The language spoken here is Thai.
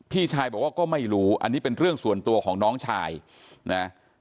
พี่ชายบอกว่าก็ไม่รู้อันนี้เป็นเรื่องส่วนตัวของน้องชายนะ